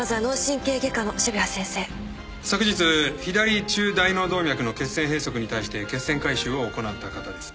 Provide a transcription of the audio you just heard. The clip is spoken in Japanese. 昨日左中大脳動脈の血栓閉塞に対して血栓回収を行った方です。